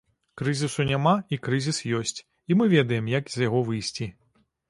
Крызісу няма, і крызіс ёсць, і мы ведаем, як з яго выйсці.